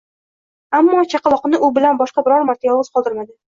Ammo chaqaloqni u bilan boshqa biror marta yolg'iz qoldirmadi.